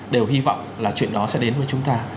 đều hy vọng là chuyện đó sẽ đến với chúng ta